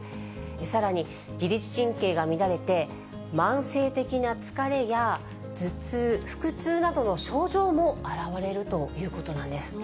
さらに、自律神経が乱れて、慢性的な疲れや、頭痛、腹痛などの症状も現れるということなんです。